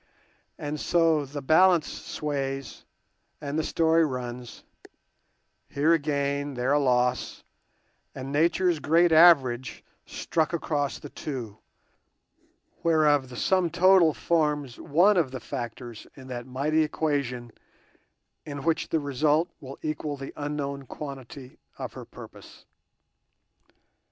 And so the balance sways and the story runs—here a gain, there a loss, and Nature's great average struck across the two, whereof the sum total forms one of the factors in that mighty equation in which the result will equal the unknown quantity of her purpose.